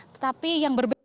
tetapi yang berbeda